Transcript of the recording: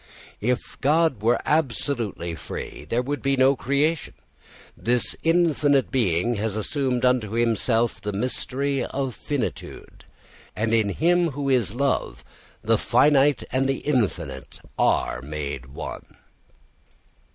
If God were absolutely free there would be no creation. The infinite being has assumed unto himself the mystery of finitude. And in him who is love the finite and the infinite are made one.